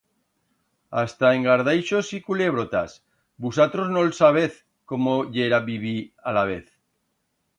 Hasta engardaixos y culebrotas, vusatros no'l sabez cómo yera vivir alavez.